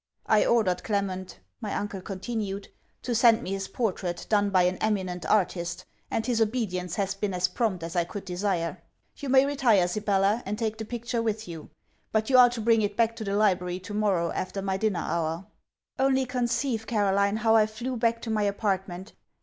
'I ordered Clement,' my uncle continued, 'to send me his portrait, done by an eminent artist; and his obedience has been as prompt as I could desire. You may retire, Sibella, and take the picture with you; but you are to bring it back to the library to morrow after my dinner hour.' Only, conceive, Caroline, how I flew back to my apartment.